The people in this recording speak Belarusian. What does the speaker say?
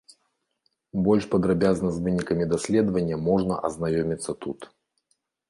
Больш падрабязна з вынікамі даследавання можна азнаёміцца тут.